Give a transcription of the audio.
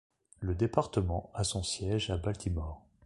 Le département a son siège à Baltimore.